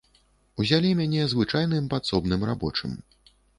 Узялі мяне звычайным падсобным рабочым.